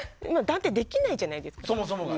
断定できないじゃないですか。